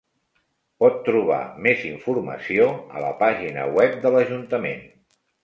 Pot trobar més informació a la pàgina web de l'Ajuntament.